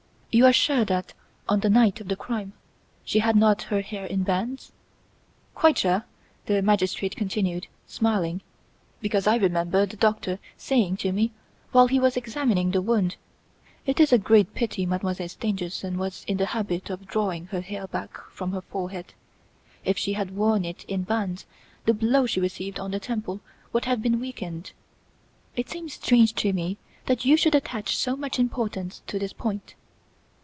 You are sure that, on the night of the crime, she had not her hair in bands?" "Quite sure," the magistrate continued, smiling, "because I remember the Doctor saying to me, while he was examining the wound, 'It is a great pity Mademoiselle Stangerson was in the habit of drawing her hair back from her forehead. If she had worn it in bands, the blow she received on the temple would have been weakened.' It seems strange to me that you should attach so much importance to this point."